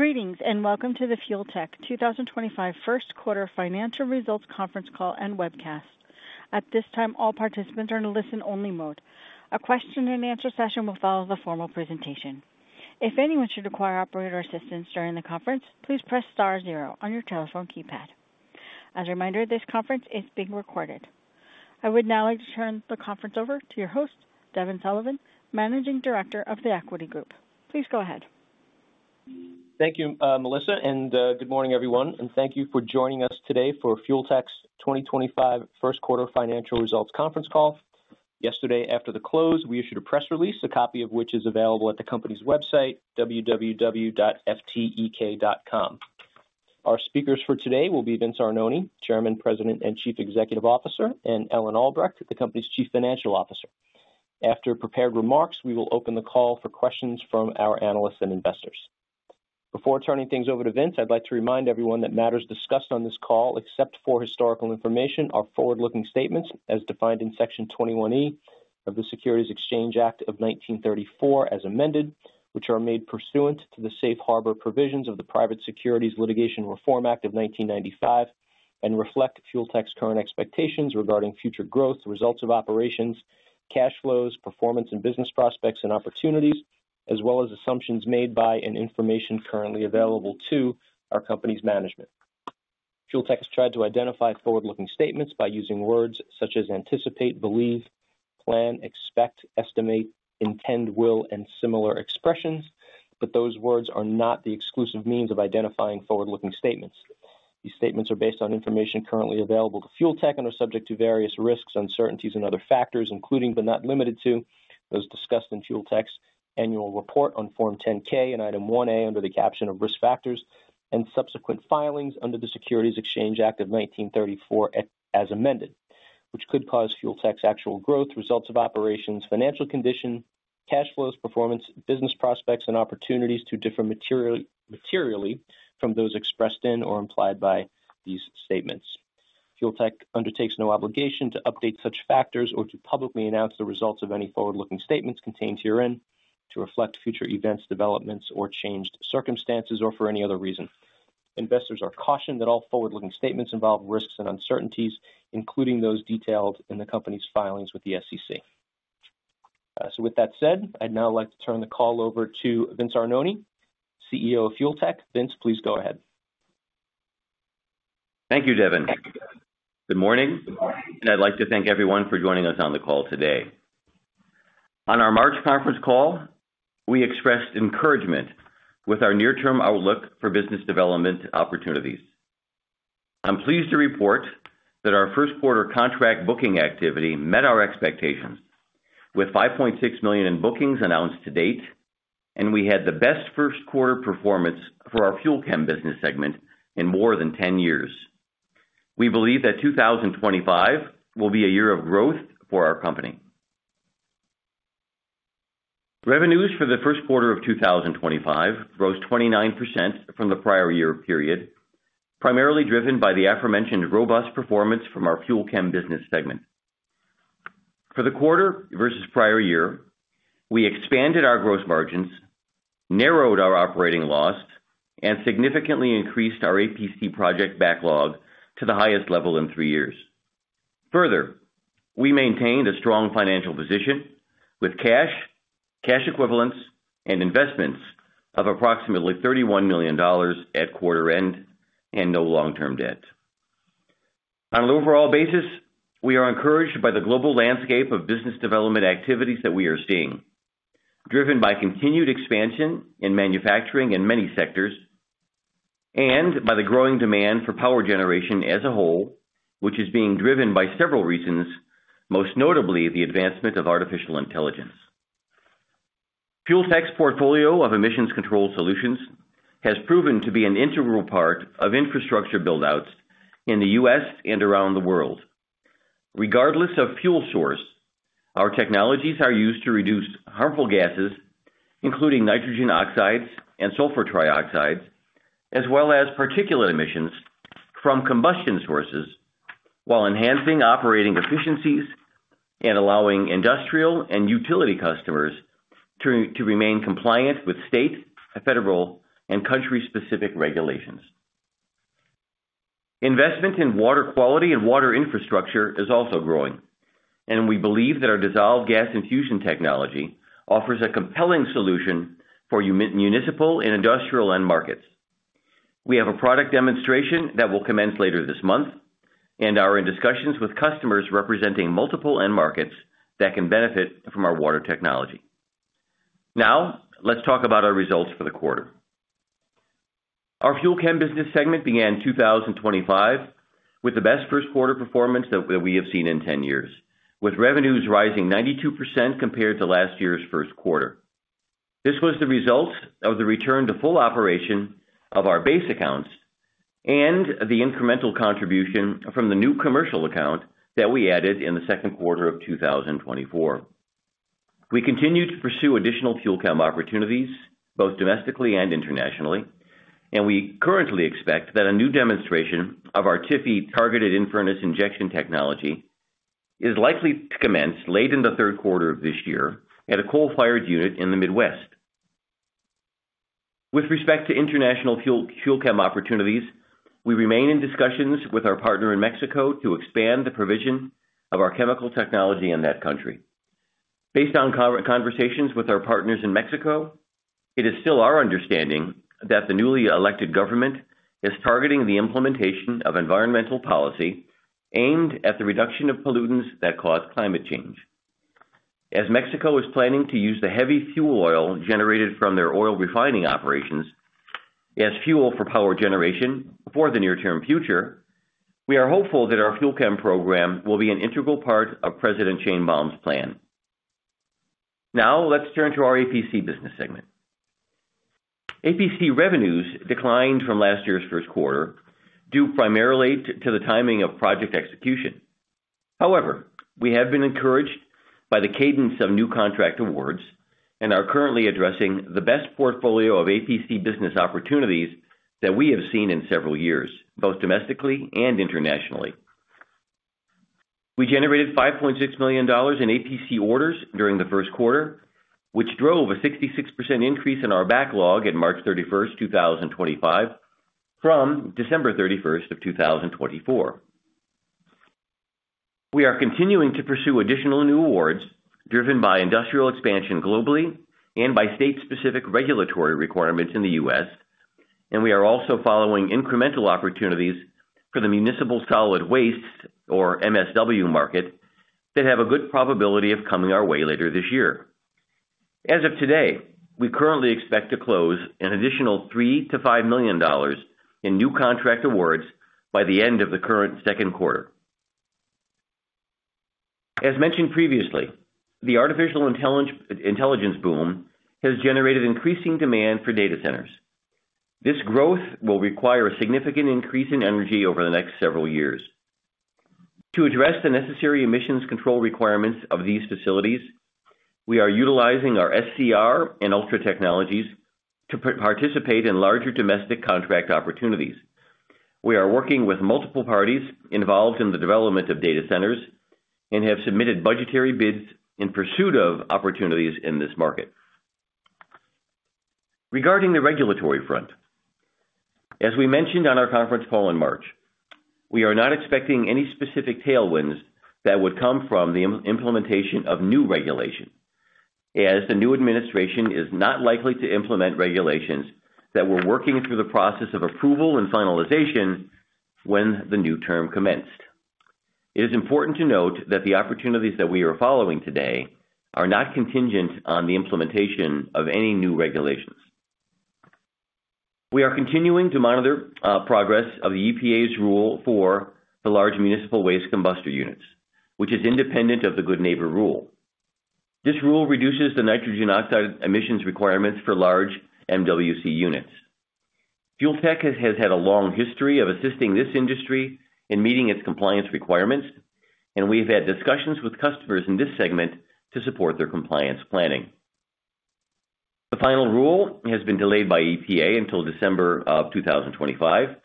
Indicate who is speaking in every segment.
Speaker 1: Greetings and welcome to the Fuel Tech 2025 first quarter financial results conference call and webcast. At this time, all participants are in a listen-only mode. A question-and-answer session will follow the formal presentation. If anyone should require operator assistance during the conference, please press star zero on your telephone keypad. As a reminder, this conference is being recorded. I would now like to turn the conference over to your host, Devin Sullivan, Managing Director of the Equity Group. Please go ahead.
Speaker 2: Thank you, Melissa, and good morning, everyone. Thank you for joining us today for Fuel Tech's 2025 first quarter financial results conference call. Yesterday, after the close, we issued a press release, a copy of which is available at the company's website, www.ftek.com. Our speakers for today will be Vince Arnone, Chairman, President, and Chief Executive Officer, and Ellen Albrecht, the company's Chief Financial Officer. After prepared remarks, we will open the call for questions from our analysts and investors. Before turning things over to Vince, I'd like to remind everyone that matters discussed on this call, except for historical information, are forward-looking statements as defined in Section 21E of the Securities Exchange Act of 1934, as amended, which are made pursuant to the safe harbor provisions of the Private Securities Litigation Reform Act of 1995 and reflect Fuel Tech's current expectations regarding future growth, results of operations, cash flows, performance, and business prospects and opportunities, as well as assumptions made by and information currently available to our company's management. Fuel Tech has tried to identify forward-looking statements by using words such as anticipate, believe, plan, expect, estimate, intend, will, and similar expressions, but those words are not the exclusive means of identifying forward-looking statements. These statements are based on information currently available to Fuel Tech and are subject to various risks, uncertainties, and other factors, including but not limited to those discussed in Fuel Tech's annual report on Form 10-K and item 1A under the caption of risk factors and subsequent filings under the Securities Exchange Act of 1934, as amended, which could cause Fuel Tech's actual growth, results of operations, financial condition, cash flows, performance, business prospects, and opportunities to differ materially from those expressed in or implied by these statements. Fuel Tech undertakes no obligation to update such factors or to publicly announce the results of any forward-looking statements contained herein to reflect future events, developments, or changed circumstances, or for any other reason. Investors are cautioned that all forward-looking statements involve risks and uncertainties, including those detailed in the company's filings with the SEC. With that said, I'd now like to turn the call over to Vince Arnone, CEO of Fuel Tech. Vince, please go ahead.
Speaker 3: Thank you, Devin. Good morning, and I'd like to thank everyone for joining us on the call today. On our March conference call, we expressed encouragement with our near-term outlook for business development opportunities. I'm pleased to report that our first quarter contract booking activity met our expectations with $5.6 million in bookings announced to date, and we had the best first quarter performance for our Fuel Chem business segment in more than 10 years. We believe that 2025 will be a year of growth for our company. Revenues for the first quarter of 2025 rose 29% from the prior year period, primarily driven by the aforementioned robust performance from our Fuel Chem business segment. For the quarter versus prior year, we expanded our gross margins, narrowed our operating loss, and significantly increased our APC project backlog to the highest level in three years. Further, we maintained a strong financial position with cash, cash equivalents, and investments of approximately $31 million at quarter end and no long-term debt. On an overall basis, we are encouraged by the global landscape of business development activities that we are seeing, driven by continued expansion in manufacturing in many sectors, and by the growing demand for power generation as a whole, which is being driven by several reasons, most notably the advancement of artificial intelligence. Fuel Tech's portfolio of emissions control solutions has proven to be an integral part of infrastructure build-outs in the U.S. and around the world. Regardless of fuel source, our technologies are used to reduce harmful gases, including nitrogen oxides and sulfur trioxides, as well as particulate emissions from combustion sources, while enhancing operating efficiencies and allowing industrial and utility customers to remain compliant with state, federal, and country-specific regulations. Investment in water quality and water infrastructure is also growing, and we believe that our dissolved gas infusion technology offers a compelling solution for municipal and industrial end markets. We have a product demonstration that will commence later this month and are in discussions with customers representing multiple end markets that can benefit from our water technology. Now, let's talk about our results for the quarter. Our Fuel Chem business segment began 2025 with the best first quarter performance that we have seen in 10 years, with revenues rising 92% compared to last year's first quarter. This was the result of the return to full operation of our base accounts and the incremental contribution from the new commercial account that we added in the second quarter of 2024. We continue to pursue additional Fuel Chem opportunities, both domestically and internationally, and we currently expect that a new demonstration of our TIFFE Targeted In-Furnace Injection technology is likely to commence late in the third quarter of this year at a coal-fired unit in the Midwest. With respect to international Fuel Chem opportunities, we remain in discussions with our partner in Mexico to expand the provision of our chemical technology in that country. Based on conversations with our partners in Mexico, it is still our understanding that the newly elected government is targeting the implementation of environmental policy aimed at the reduction of pollutants that cause climate change. As Mexico is planning to use the heavy fuel oil generated from their oil refining operations as fuel for power generation for the near-term future, we are hopeful that our Fuel Chem program will be an integral part of President Sheinbaum's plan. Now, let's turn to our APC business segment. APC revenues declined from last year's first quarter due primarily to the timing of project execution. However, we have been encouraged by the cadence of new contract awards and are currently addressing the best portfolio of APC business opportunities that we have seen in several years, both domestically and internationally. We generated $5.6 million in APC orders during the first quarter, which drove a 66% increase in our backlog at March 31st, 2025, from December 31st, 2024. We are continuing to pursue additional new awards driven by industrial expansion globally and by state-specific regulatory requirements in the U.S., and we are also following incremental opportunities for the municipal solid waste, or MSW Market that have a good probability of coming our way later this year. As of today, we currently expect to close an additional $3 million-$5 million in new contract awards by the end of the current second quarter. As mentioned previously, the artificial intelligence boom has generated increasing demand for data centers. This growth will require a significant increase in energy over the next several years. To address the necessary emissions control requirements of these facilities, we are utilizing our SCR and Ultra Technologies to participate in larger domestic contract opportunities. We are working with multiple parties involved in the development of data centers and have submitted budgetary bids in pursuit of opportunities in this market. Regarding the regulatory front, as we mentioned on our conference call in March, we are not expecting any specific tailwinds that would come from the implementation of new regulation, as the new administration is not likely to implement regulations that were working through the process of approval and finalization when the new term commenced. It is important to note that the opportunities that we are following today are not contingent on the implementation of any new regulations. We are continuing to monitor progress of the EPA's rule for the large municipal waste combustion units, which is independent of the good neighbor rule. This rule reduces the nitrogen oxide emissions requirements for large MWC units. Fuel Tech has had a long history of assisting this industry in meeting its compliance requirements, and we have had discussions with customers in this segment to support their compliance planning. The final rule has been delayed by EPA until December of 2025,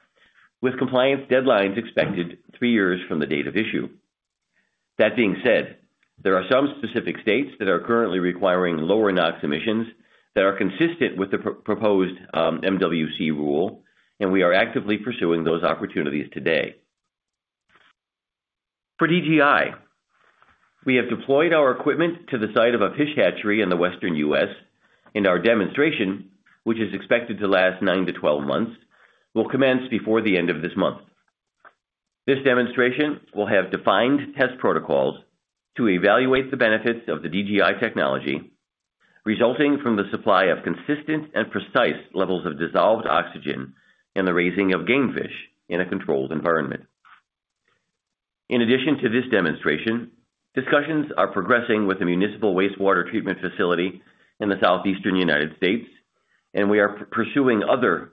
Speaker 3: with compliance deadlines expected three years from the date of issue. That being said, there are some specific states that are currently requiring lower NOx emissions that are consistent with the proposed MWC rule, and we are actively pursuing those opportunities today. For DGI, we have deployed our equipment to the site of a fish hatchery in the western U.S., and our demonstration, which is expected to last 9-12 months, will commence before the end of this month. This demonstration will have defined test protocols to evaluate the benefits of the DGI technology resulting from the supply of consistent and precise levels of dissolved oxygen and the raising of game fish in a controlled environment. In addition to this demonstration, discussions are progressing with the municipal wastewater treatment facility in the Southeastern United States, and we are pursuing other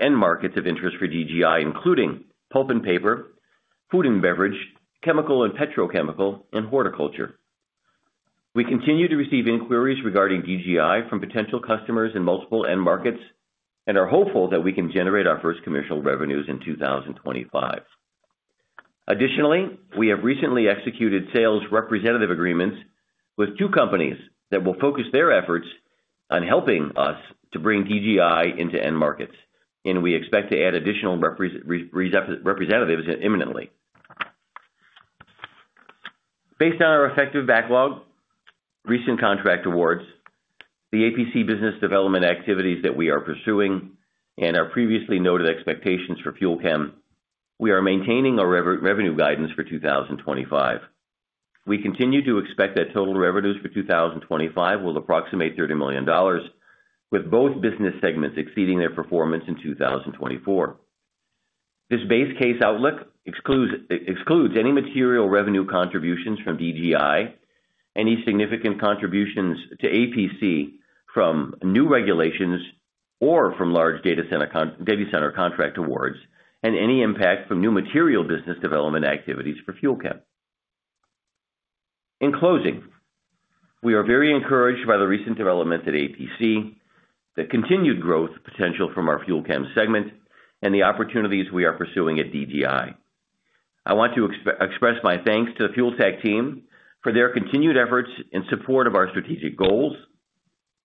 Speaker 3: end markets of interest for DGI, including pulp and paper, food and beverage, chemical and petrochemical, and horticulture. We continue to receive inquiries regarding DGI from potential customers in multiple end markets and are hopeful that we can generate our first commercial revenues in 2025. Additionally, we have recently executed sales representative agreements with two companies that will focus their efforts on helping us to bring DGI into end markets, and we expect to add additional representatives imminently. Based on our effective backlog, recent contract awards, the APC business development activities that we are pursuing, and our previously noted expectations for Fuel Chem, we are maintaining our revenue guidance for 2025. We continue to expect that total revenues for 2025 will approximate $30 million, with both business segments exceeding their performance in 2024. This base case outlook excludes any material revenue contributions from DGI, any significant contributions to APC from new regulations or from large data center contract awards, and any impact from new material business development activities for Fuel Chem. In closing, we are very encouraged by the recent developments at APC, the continued growth potential from our Fuel Chem segment, and the opportunities we are pursuing at DGI. I want to express my thanks to the Fuel Tech team for their continued efforts in support of our strategic goals,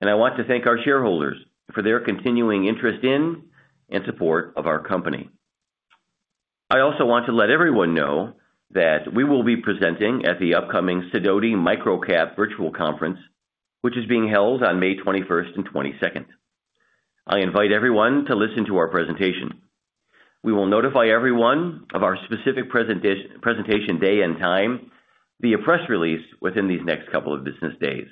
Speaker 3: and I want to thank our shareholders for their continuing interest in and support of our company. I also want to let everyone know that we will be presenting at the upcoming Sidoti Micro Cap Virtual Conference, which is being held on May 21st and 22nd. I invite everyone to listen to our presentation. We will notify everyone of our specific presentation day and time, via press release within these next couple of business days.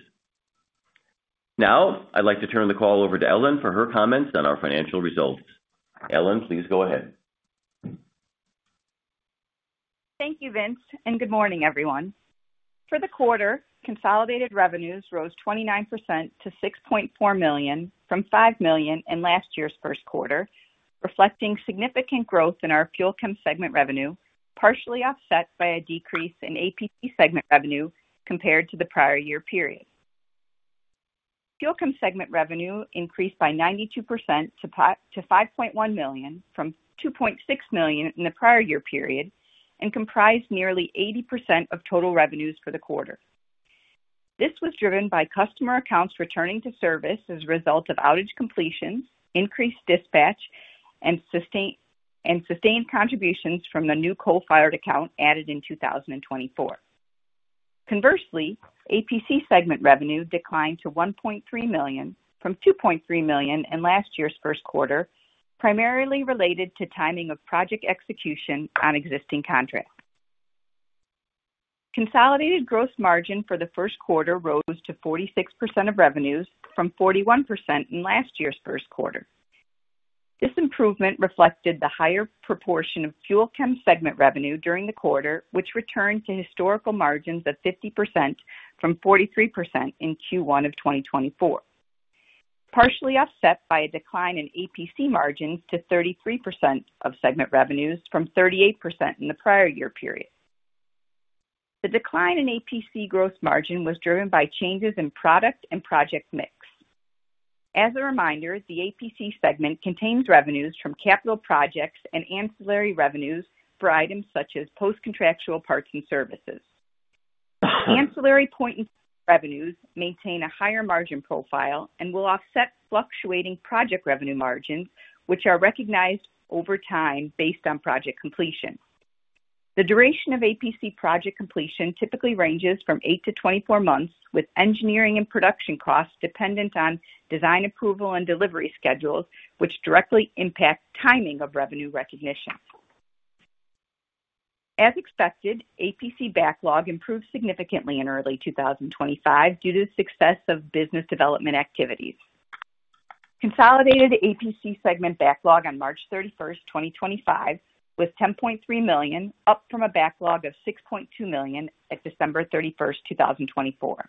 Speaker 3: Now, I'd like to turn the call over to Ellen for her comments on our financial results. Ellen, please go ahead.
Speaker 4: Thank you, Vince, and good morning, everyone. For the quarter, consolidated revenues rose 29% to $6.4 million from $5 million in last year's Q1, reflecting significant growth in our Fuel Chem segment revenue, partially offset by a decrease in APC segment revenue compared to the prior year period. Fuel Chem segment revenue increased by 92% to $5.1 million from $2.6 million in the prior year period and comprised nearly 80% of total revenues for the quarter. This was driven by customer accounts returning to service as a result of outage completions, increased dispatch, and sustained contributions from the new coal-fired account added in 2024. Conversely, APC segment revenue declined to $1.3 million from $2.3 million in last year's first quarter, primarily related to timing of project execution on existing contracts. Consolidated gross margin for the first quarter rose to 46% of revenues from 41% in last year's Q1. This improvement reflected the higher proportion of Fuel Chem segment revenue during the quarter, which returned to historical margins of 50% from 43% in Q1 of 2024, partially offset by a decline in APC margins to 33% of segment revenues from 38% in the prior year period. The decline in APC gross margin was driven by changes in product and project mix. As a reminder, the APC segment contains revenues from capital projects and ancillary revenues for items such as post-contractual parts and services. Ancillary point and revenues maintain a higher margin profile and will offset fluctuating project revenue margins, which are recognized over time based on project completion. The duration of APC project completion typically ranges from 8 months-24 months, with engineering and production costs dependent on design approval and delivery schedules, which directly impact timing of revenue recognition. As expected, APC backlog improved significantly in early 2025 due to the success of business development activities. Consolidated APC segment backlog on March 31st, 2025, was $10.3 million, up from a backlog of $6.2 million at December 31st, 2024.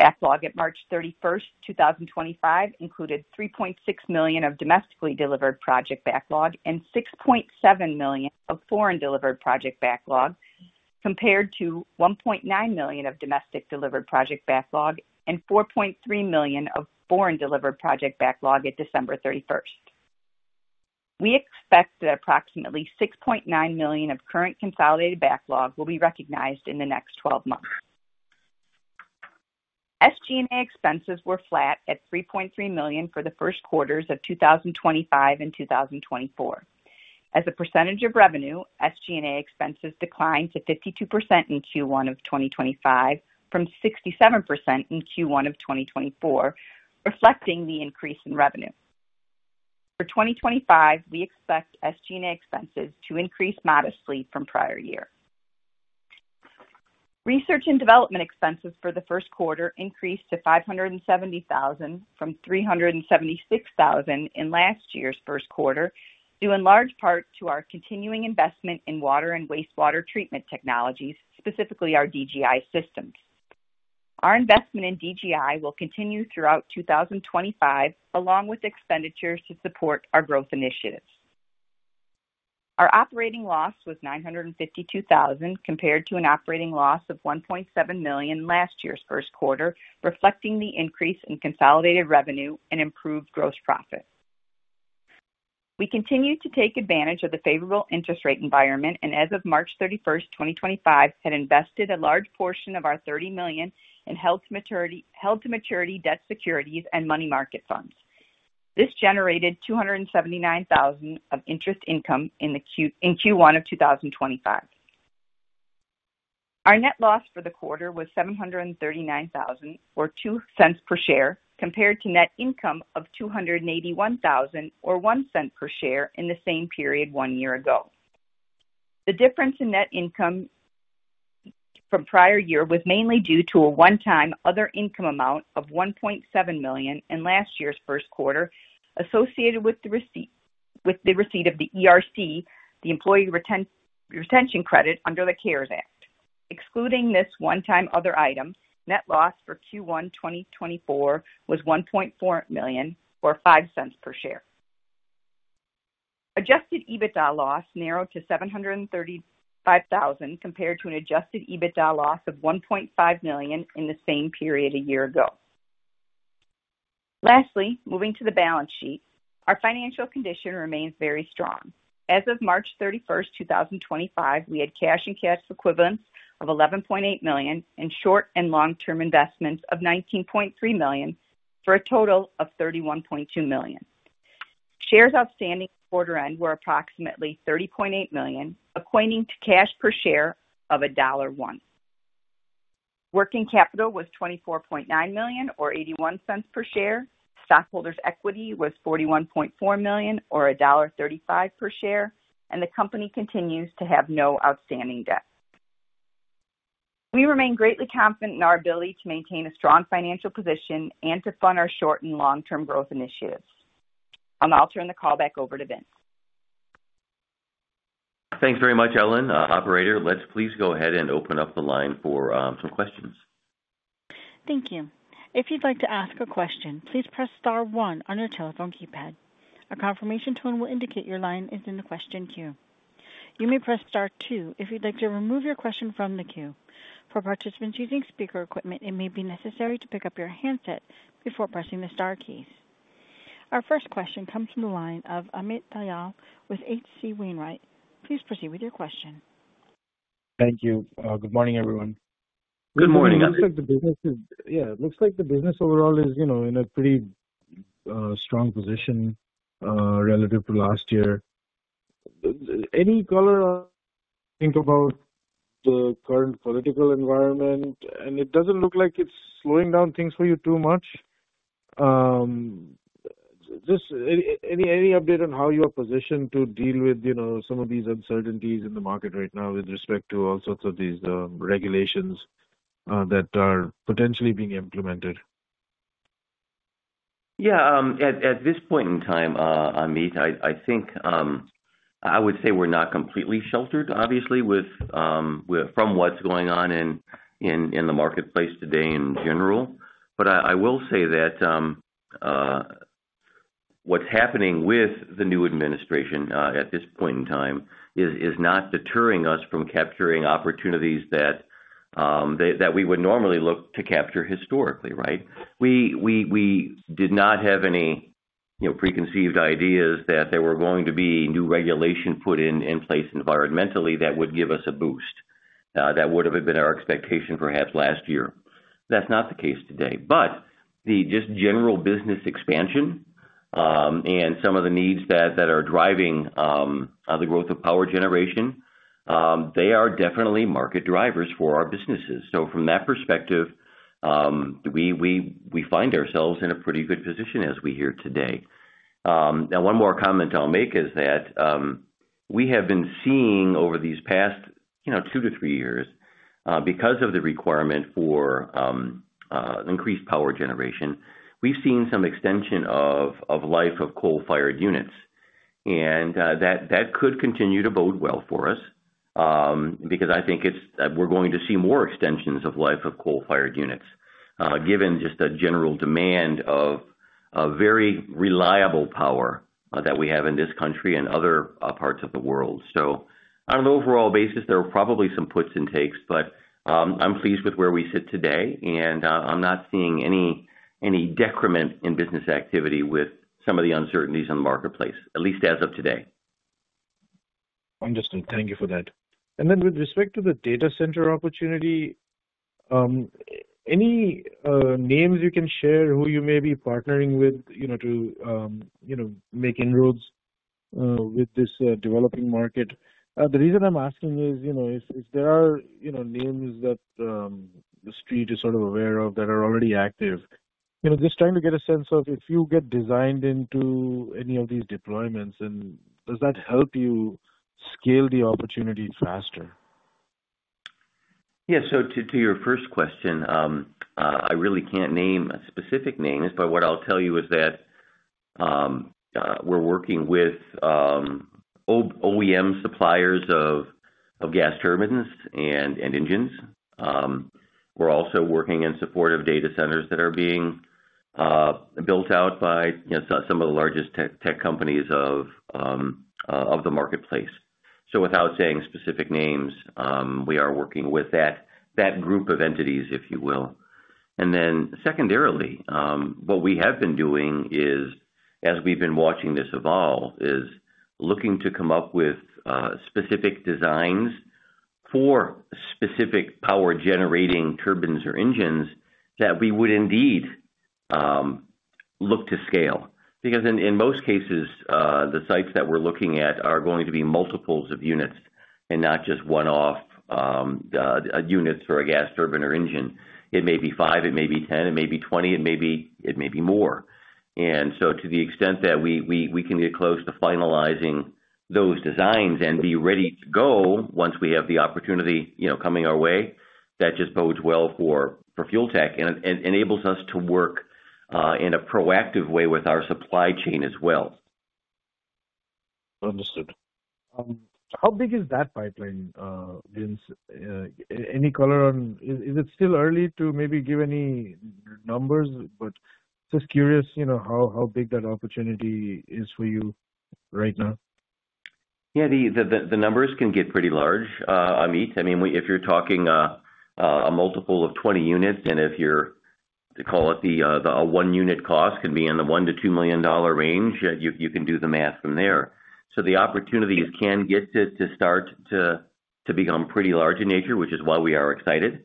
Speaker 4: Backlog at March 31st, 2025, included $3.6 million of domestically delivered project backlog and $6.7 million of foreign delivered project backlog, compared to $1.9 million of domestic delivered project backlog and $4.3 million of foreign delivered project backlog at December 31st. We expect that approximately $6.9 million of current consolidated backlog will be recognized in the next 12 months. SG&A expenses were flat at $3.3 million for the Q1 of 2025 and 2024. As a percentage of revenue, SG&A expenses declined to 52% in Q1 of 2025 from 67% in Q1 of 2024, reflecting the increase in revenue. For 2025, we expect SG&A expenses to increase modestly from prior year. Research and development expenses for the first quarter increased to $570,000 from $376,000 in last year's Q1 due in large part to our continuing investment in water and wastewater treatment technologies, specifically our DGI systems. Our investment in DGI will continue throughout 2025, along with expenditures to support our growth initiatives. Our operating loss was $952,000 compared to an operating loss of $1.7 million last year's first quarter, reflecting the increase in consolidated revenue and improved gross profit. We continue to take advantage of the favorable interest rate environment and, as of March 31st, 2025, had invested a large portion of our $30 million in held-to-maturity debt securities and money market funds. This generated $279,000 of interest income in Q1 of 2025. Our net loss for the quarter was $739,000, or $0.02 per share, compared to net income of $281,000, or $0.01 per share in the same period one year ago. The difference in net income from prior year was mainly due to a one-time other income amount of $1.7 million in last year's first quarter associated with the receipt of the ERC, the Employee Retention Credit under the CARES Act. Excluding this one-time other item, net loss for Q1 2024 was $1.4 million, or $0.05 per share. Adjusted EBITDA loss narrowed to $735,000 compared to an adjusted EBITDA loss of $1.5 million in the same period a year ago. Lastly, moving to the balance sheet, our financial condition remains very strong. As of March 31st, 2025, we had cash and cash equivalents of $11.8 million and short and long-term investments of $19.3 million for a total of $31.2 million. Shares outstanding at the quarter end were approximately $30.8 million, equating to cash per share of $1.01. Working capital was $24.9 million, or $0.81 per share. Stockholders' equity was $41.4 million, or $1.35 per share, and the company continues to have no outstanding debt. We remain greatly confident in our ability to maintain a strong financial position and to fund our short and long-term growth initiatives. I'll now turn the call back over to Vince.
Speaker 3: Thanks very much, Ellen. Operator, let's please go ahead and open up the line for some questions.
Speaker 1: Thank you. If you'd like to ask a question, please press star one on your telephone keypad. A confirmation tone will indicate your line is in the question queue. You may press star two if you'd like to remove your question from the queue. For participants using speaker equipment, it may be necessary to pick up your handset before pressing the star keys. Our first question comes from the line of Amit Dayal with HC Wainwright. Please proceed with your question.
Speaker 5: Thank you. Good morning, everyone.
Speaker 3: Good morning, Ellen.
Speaker 5: It looks like the business is, yeah, it looks like the business overall is, you know, in a pretty strong position relative to last year. Any color on thinking about the current political environment, and it doesn't look like it's slowing down things for you too much. Just any update on how you're positioned to deal with, you know, some of these uncertainties in the market right now with respect to all sorts of these regulations that are potentially being implemented?
Speaker 3: Yeah. At this point in time, Amit, I think I would say we're not completely sheltered, obviously, from what's going on in the marketplace today in general. I will say that what's happening with the new administration at this point in time is not deterring us from capturing opportunities that we would normally look to capture historically, right? We did not have any preconceived ideas that there were going to be new regulation put in place environmentally that would give us a boost. That would have been our expectation perhaps last year. That's not the case today. The just general business expansion and some of the needs that are driving the growth of power generation, they are definitely market drivers for our businesses. From that perspective, we find ourselves in a pretty good position as we hear today. Now, one more comment I'll make is that we have been seeing over these past, you know, two to three years, because of the requirement for increased power generation, we've seen some extension of life of coal-fired units. That could continue to bode well for us because I think we're going to see more extensions of life of coal-fired units, given just a general demand of very reliable power that we have in this country and other parts of the world. On an overall basis, there are probably some puts and takes, but I'm pleased with where we sit today, and I'm not seeing any decrement in business activity with some of the uncertainties in the marketplace, at least as of today.
Speaker 5: Understood. Thank you for that. With respect to the data center opportunity, any names you can share who you may be partnering with, you know, to, you know, make inroads with this developing market? The reason I'm asking is, you know, if there are, you know, names that the street is sort of aware of that are already active, you know, just trying to get a sense of if you get designed into any of these deployments, and does that help you scale the opportunity faster?
Speaker 3: Yeah. To your first question, I really can't name a specific name, but what I'll tell you is that we're working with OEM suppliers of gas turbines and engines. We're also working in support of data centers that are being built out by some of the largest tech companies of the marketplace. Without saying specific names, we are working with that group of entities, if you will. Secondarily, what we have been doing is, as we've been watching this evolve, is looking to come up with specific designs for specific power-generating turbines or engines that we would indeed look to scale. Because in most cases, the sites that we're looking at are going to be multiples of units and not just one-off units for a gas turbine or engine. It may be five. It may be ten. It may be twenty. It may be more. To the extent that we can get close to finalizing those designs and be ready to go once we have the opportunity, you know, coming our way, that just bodes well for Fuel Tech and enables us to work in a proactive way with our supply chain as well.
Speaker 5: Understood. How big is that pipeline, Vince? Any color on is it still early to maybe give any numbers, but just curious, you know, how big that opportunity is for you right now?
Speaker 3: Yeah. The numbers can get pretty large, Amit. I mean, if you're talking a multiple of 20 units and if you're, call it the one-unit cost can be in the $1 million-$2 million range, you can do the math from there. The opportunities can get to start to become pretty large in nature, which is why we are excited.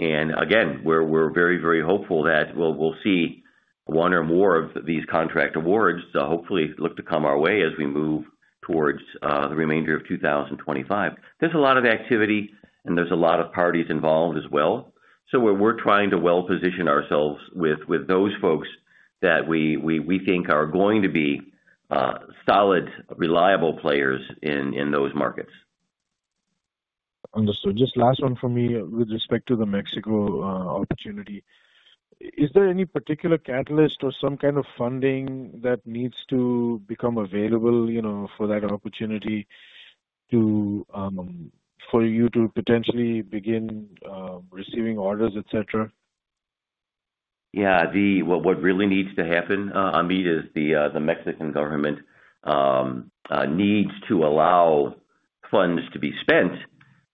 Speaker 3: Again, we're very, very hopeful that we'll see one or more of these contract awards hopefully look to come our way as we move towards the remainder of 2025. There's a lot of activity, and there's a lot of parties involved as well. We're trying to well-position ourselves with those folks that we think are going to be solid, reliable players in those markets.
Speaker 5: Understood. Just last one for me with respect to the Mexico opportunity. Is there any particular catalyst or some kind of funding that needs to become available, you know, for that opportunity for you to potentially begin receiving orders, etc.?
Speaker 3: Yeah. What really needs to happen, Amit, is the Mexican government needs to allow funds to be spent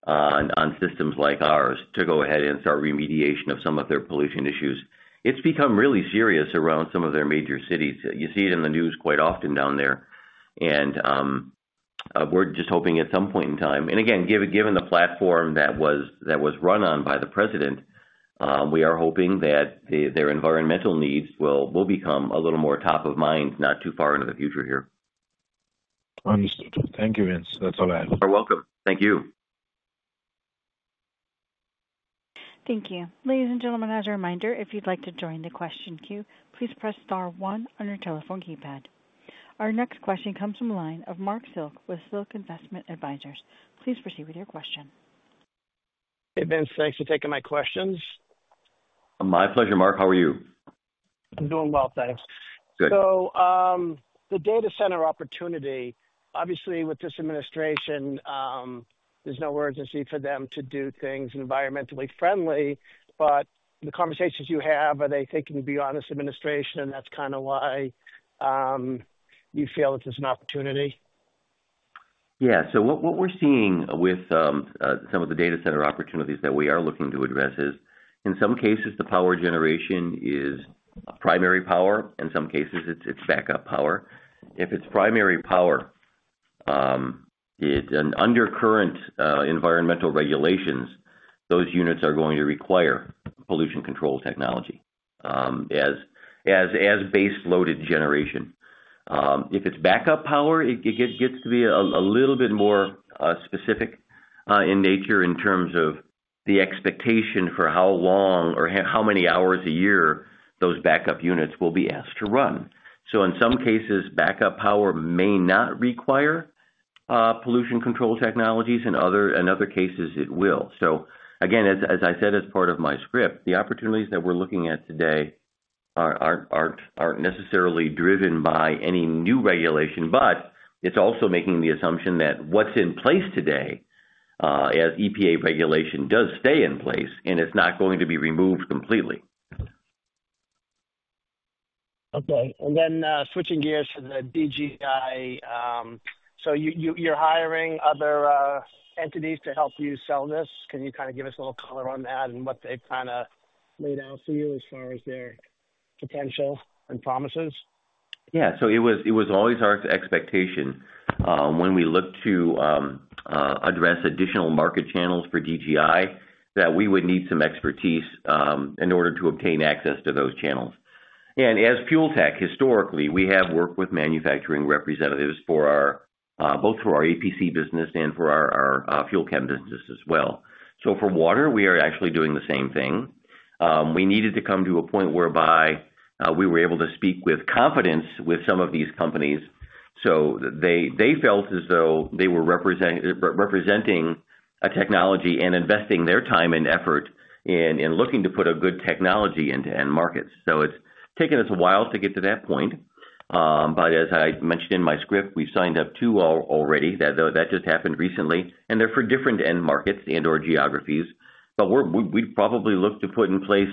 Speaker 3: on systems like ours to go ahead and start remediation of some of their pollution issues. It's become really serious around some of their major cities. You see it in the news quite often down there. We're just hoping at some point in time, and again, given the platform that was run on by the president, we are hoping that their environmental needs will become a little more top of mind not too far into the future here.
Speaker 5: Understood. Thank you, Vince. That's all I have.
Speaker 3: You're welcome. Thank you.
Speaker 1: Thank you. Ladies and gentlemen, as a reminder, if you'd like to join the question queue, please press star one on your telephone keypad. Our next question comes from the line of Marc Silk with Silk Investment Advisors. Please proceed with your question.
Speaker 6: Hey, Vince. Thanks for taking my questions.
Speaker 2: My pleasure, Marc. How are you?
Speaker 6: I'm doing well, thanks. The data center opportunity, obviously, with this administration, there's no urgency for them to do things environmentally friendly, but the conversations you have, are they thinking beyond this administration? That's kind of why you feel that there's an opportunity?
Speaker 3: Yeah. What we're seeing with some of the data center opportunities that we are looking to address is, in some cases, the power generation is primary power. In some cases, it's backup power. If it's primary power, under current environmental regulations, those units are going to require pollution control technology as base-loaded generation. If it's backup power, it gets to be a little bit more specific in nature in terms of the expectation for how long or how many hours a year those backup units will be asked to run. In some cases, backup power may not require pollution control technologies. In other cases, it will. Again, as I said as part of my script, the opportunities that we're looking at today aren't necessarily driven by any new regulation, but it's also making the assumption that what's in place today, as EPA regulation, does stay in place, and it's not going to be removed completely.
Speaker 6: Okay. Switching gears to the DGI. You're hiring other entities to help you sell this. Can you kind of give us a little color on that and what they've kind of laid out for you as far as their potential and promises?
Speaker 3: Yeah. It was always our expectation when we looked to address additional market channels for DGI that we would need some expertise in order to obtain access to those channels. As Fuel Tech, historically, we have worked with manufacturing representatives both for our APC business and for our Fuel Chem business as well. For water, we are actually doing the same thing. We needed to come to a point whereby we were able to speak with confidence with some of these companies. They felt as though they were representing a technology and investing their time and effort in looking to put a good technology into end markets. It has taken us a while to get to that point. As I mentioned in my script, we have signed up two already. That just happened recently. They are for different end markets and/or geographies. We'd probably look to put in place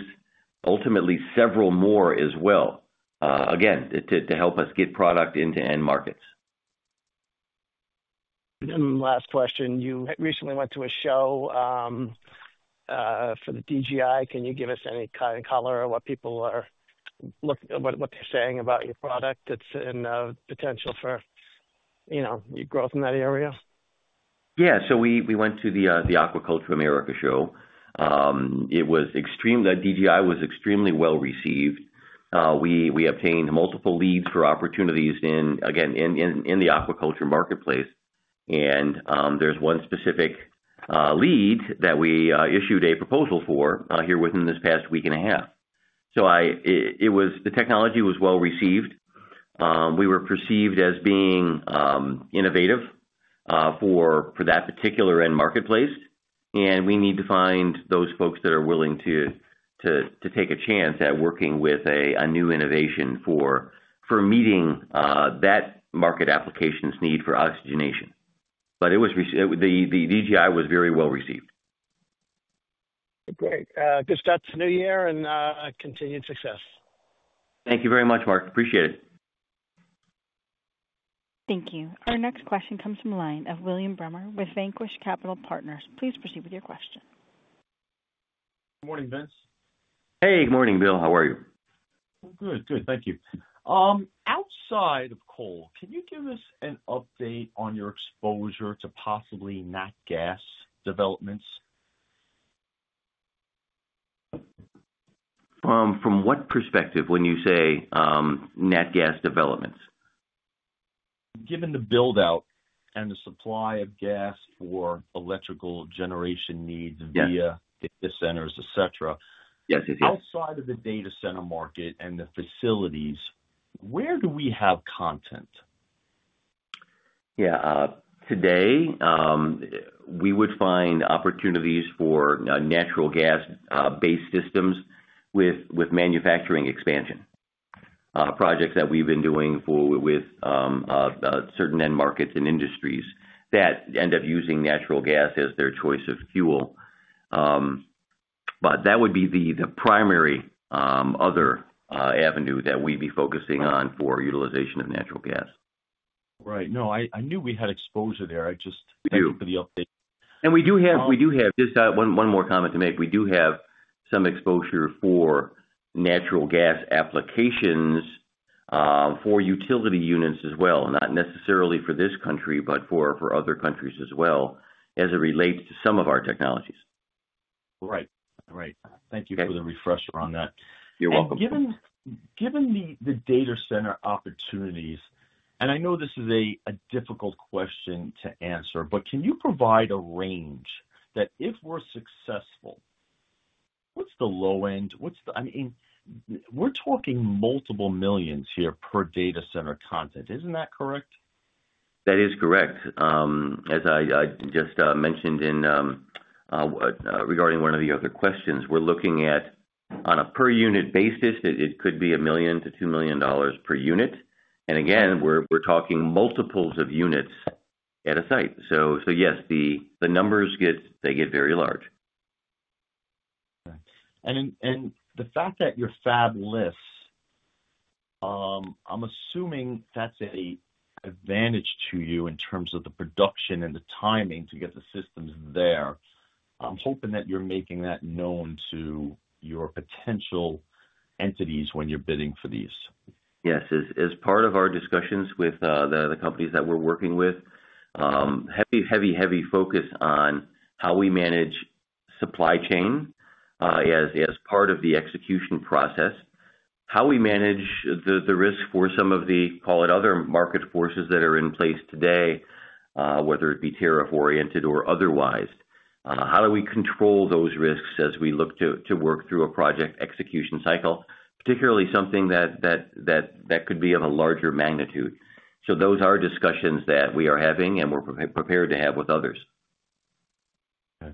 Speaker 3: ultimately several more as well, again, to help us get product into end markets.
Speaker 6: Last question. You recently went to a show for the DGI. Can you give us any kind of color on what people are looking at, what they're saying about your product that's in potential for, you know, growth in that area?
Speaker 3: Yeah. So we went to the Aquaculture America show. It was extremely, DGI was extremely well received. We obtained multiple leads for opportunities in, again, in the aquaculture marketplace. There is one specific lead that we issued a proposal for here within this past week and a half. The technology was well received. We were perceived as being innovative for that particular end marketplace. We need to find those folks that are willing to take a chance at working with a new innovation for meeting that market application's need for oxygenation. The DGI was very well received.
Speaker 6: Great. Good start to the new year and continued success.
Speaker 3: Thank you very much, Marc. Appreciate it.
Speaker 1: Thank you. Our next question comes from the line of William Bremer with Vanquish Capital Partners. Please proceed with your question. Good morning, Vince.
Speaker 3: Hey, good morning, Bill. How are you?
Speaker 7: Good, good. Thank you. Outside of coal, can you give us an update on your exposure to possibly NAT gas developments? From what perspective when you say NAT gas developments? Given the buildout and the supply of gas for electrical generation needs via data centers, etc., outside of the data center market and the facilities, where do we have content?
Speaker 3: Yeah. Today, we would find opportunities for natural gas-based systems with manufacturing expansion projects that we've been doing with certain end markets and industries that end up using natural gas as their choice of fuel. That would be the primary other avenue that we'd be focusing on for utilization of natural gas.
Speaker 7: Right. No, I knew we had exposure there. I just looked for the update. We do have just one more comment to make. We do have some exposure for natural gas applications for utility units as well, not necessarily for this country, but for other countries as well as it relates to some of our technologies.
Speaker 3: Right. Right. Thank you for the refresher on that. You're welcome.
Speaker 7: Given the data center opportunities, and I know this is a difficult question to answer, but can you provide a range that if we're successful, what's the low end? I mean, we're talking multiple millions here per data center content. Isn't that correct?
Speaker 3: That is correct. As I just mentioned regarding one of the other questions, we're looking at on a per-unit basis, it could be $1 million-$2 million per unit. Again, we're talking multiples of units at a site. Yes, the numbers get very large.
Speaker 7: Okay. The fact that your fab lists, I'm assuming that's an advantage to you in terms of the production and the timing to get the systems there. I'm hoping that you're making that known to your potential entities when you're bidding for these.
Speaker 3: Yes. As part of our discussions with the companies that we're working with, heavy focus on how we manage supply chain as part of the execution process, how we manage the risk for some of the, call it, other market forces that are in place today, whether it be tariff-oriented or otherwise, how do we control those risks as we look to work through a project execution cycle, particularly something that could be of a larger magnitude. Those are discussions that we are having and we're prepared to have with others.
Speaker 7: Okay.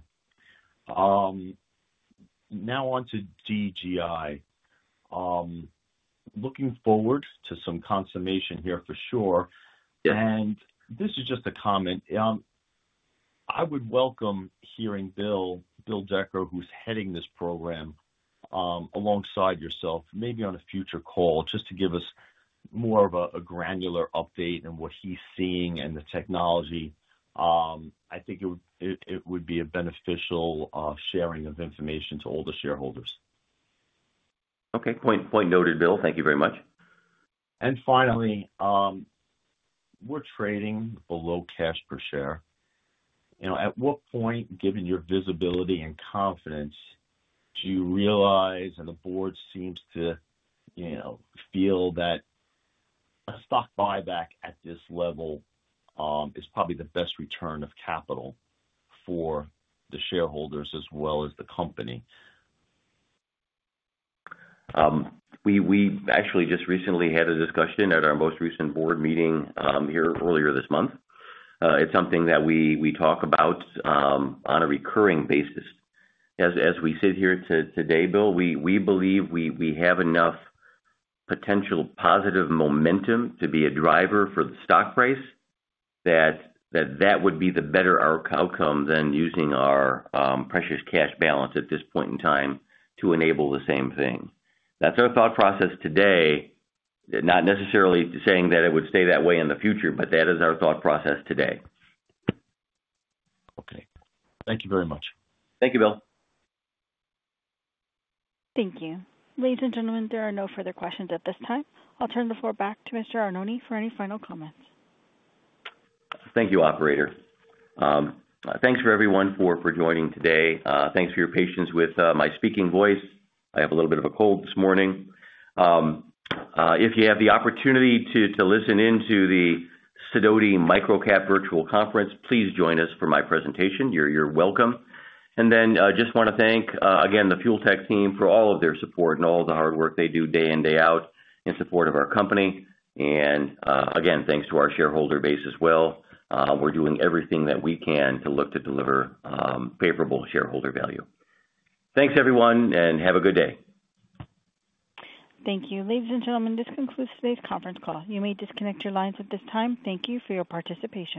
Speaker 7: Now on to DGI. Looking forward to some consummation here for sure. This is just a comment. I would welcome hearing Bill Decker, who's heading this program alongside yourself, maybe on a future call, just to give us more of a granular update in what he's seeing and the technology. I think it would be a beneficial sharing of information to all the shareholders.
Speaker 3: Okay. Point noted, Bill. Thank you very much.
Speaker 7: We're trading below cash per share. At what point, given your visibility and confidence, do you realize and the board seems to feel that a stock buyback at this level is probably the best return of capital for the shareholders as well as the company?
Speaker 3: We actually just recently had a discussion at our most recent board meeting here earlier this month. It's something that we talk about on a recurring basis. As we sit here today, Bill, we believe we have enough potential positive momentum to be a driver for the stock price that that would be the better outcome than using our precious cash balance at this point in time to enable the same thing. That's our thought process today. Not necessarily saying that it would stay that way in the future, but that is our thought process today.
Speaker 7: Okay. Thank you very much.
Speaker 3: Thank you, Bill.
Speaker 1: Thank you. Ladies and gentlemen, there are no further questions at this time. I'll turn the floor back to Mr. Arnone for any final comments.
Speaker 3: Thank you, operator. Thanks for everyone for joining today. Thanks for your patience with my speaking voice. I have a little bit of a cold this morning. If you have the opportunity to listen in to the Sidoti Micro Cap Virtual Conference, please join us for my presentation. You're welcome. I just want to thank, again, the Fuel Tech team for all of their support and all the hard work they do day in, day out in support of our company. Again, thanks to our shareholder base as well. We're doing everything that we can to look to deliver favorable shareholder value. Thanks, everyone, and have a good day.
Speaker 1: Thank you. Ladies and gentlemen, this concludes today's conference call. You may disconnect your lines at this time. Thank you for your participation.